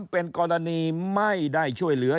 เป็นกรณีไม่ได้ช่วยเหลือ